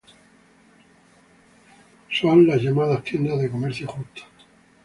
Son las llamadas tiendas de comercio justo.